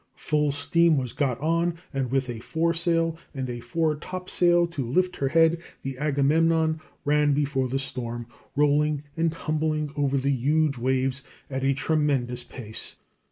Full steam was got on, and with a foresail and a fore topsail to lift her head the Agamemnon ran before the storm, rolling and tumbling over the huge waves at a tremendous pace.